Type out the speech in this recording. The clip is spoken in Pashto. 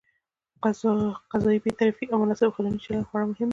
قضايي بېطرفي او مناسب قانوني چلند خورا مهم دي.